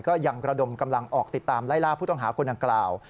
ก็ยังระดมกำลังออกติดตามไล่ล่าผู้ต้องหาคนดังกล่าว